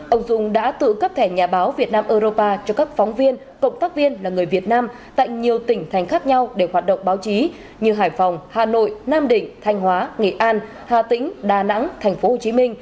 ông dung đã tự cấp thẻ nhà báo việt nam europa cho các phóng viên cộng tác viên là người việt nam tại nhiều tỉnh thành khác nhau để hoạt động báo chí như hải phòng hà nội nam định thanh hóa nghệ an hà tĩnh đà nẵng tp hcm